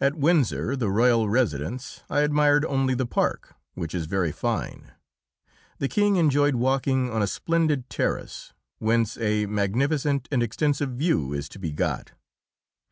At Windsor, the royal residence, I admired only the park, which is very fine. The King enjoyed walking on a splendid terrace, whence a magnificent and extensive view is to be got.